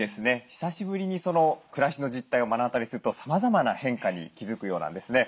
久しぶりに暮らしの実態を目の当たりにするとさまざまな変化に気付くようなんですね。